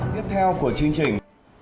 tiếp theo của chương trình